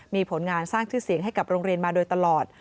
มีผลงานสร้างชื่อเสียงให้กับโรงเรียนมาโดยตลอด